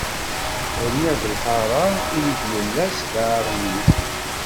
Rniɣ-d lḥara, i deg yella sbeɛ aṛemli.